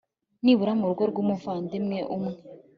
nibura mu rugo rw umuvandimwe umwe